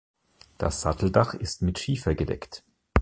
Das Satteldach ist mit Schiefer gedeckt.